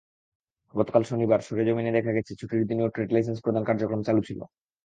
গতকাল শনিবার সরেজমিনে দেখা গেছে, ছুটির দিনেও ট্রেড লাইসেন্স প্রদান কার্যক্রম চালু ছিল।